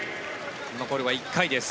残るは１回です。